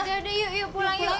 udah udah yuk pulang yuk